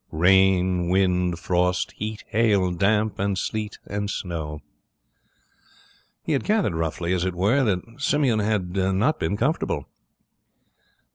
Rain, wind, frost, heat, hail, damp, and sleet, and snow, he had gathered roughly, as it were, that Simeon had not been comfortable.